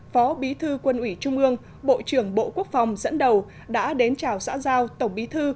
phó bí thư quân ủy trung ương bộ trưởng bộ quốc phòng dẫn đầu đã đến chào xã giao tổng bí thư